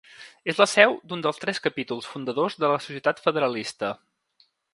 És la seu d'un dels tres capítols fundadors de la Societat Federalista.